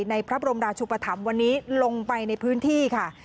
ในพระบรมราชุปธรรมวันนี้ลงไปในพื้นที่ค่ะ